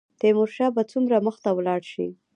تیمورشاه به څومره مخته ولاړ شي.